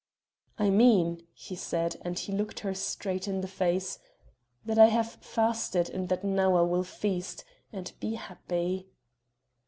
"I mean," he said, and he looked her straight in the face, "that I have fasted and that now I will feast, and be happy."